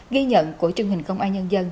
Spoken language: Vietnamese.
ghi nhận của chương trình công an nhân dân